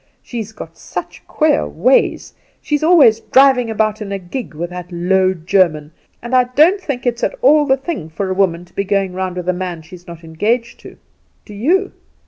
She's got such queer ways; she's always driving about in a gig with that low German; and I don't think it's at all the thing for a woman to be going about with a man she's not engaged to. Do you?